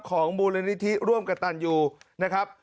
ของมูลนิธิร่วมกับตันยูนะครับ